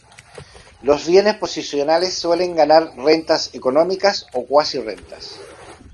Los bienes posicionales suelen ganar rentas económicas o cuasi-rentas.